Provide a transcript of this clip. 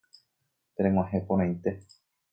Tereg̃uahẽporãite